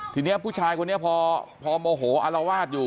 ทีนี้ผู้ชายคนนี้พอโมโหอารวาสอยู่